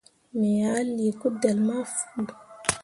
Me ah lii kudelle ma fu.